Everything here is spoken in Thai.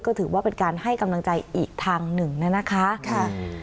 ก็ถือว่าเป็นการให้กำลังใจอีกทางหนึ่งนะคะ